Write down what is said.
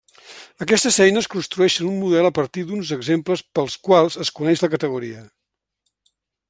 Aquestes eines construeixen un model a partir d'uns exemples pels quals es coneix la categoria.